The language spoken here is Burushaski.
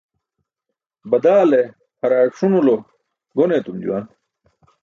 Badaale haraaẏ ṣuṅulo gon eetum juwan.